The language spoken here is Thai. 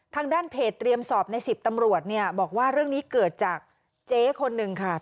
ทางด้านเพจเตรียมสอบใน๑๐ตำรวจเนี่ยบอกว่าเรื่องนี้เกิดจากเจ๊คนหนึ่งค่ะ